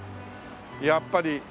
やっぱり。